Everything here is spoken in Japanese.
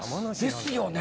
ですよね。